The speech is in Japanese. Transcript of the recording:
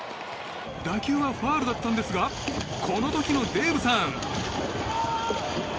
打球はファウルだったんですがこの時のデイブさん。